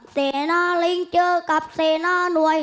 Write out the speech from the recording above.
เซนาลิ้งเจอกับเซนาหน่วย